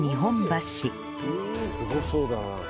すごそうだな。